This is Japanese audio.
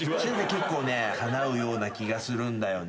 結構ねかなうような気がするんだよね。